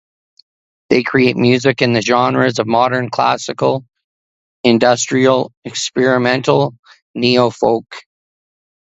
They create music in the genres of Modern Classical, Industrial, Experimental, Neofolk.